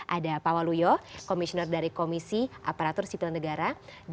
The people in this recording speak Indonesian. ada pak waluyo komisioner dari komisi aparatur sipil negara